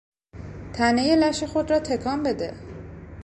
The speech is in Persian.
تنهی لش خود را تکان بده!